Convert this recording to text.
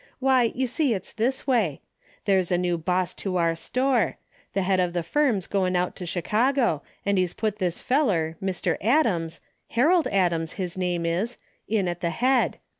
Why, you see it's this way. There's a new boss to our store. The head of the firm's going out to Chicago, and he's put this feller, Mr. Adams, Harold Adams his name is, in at the head.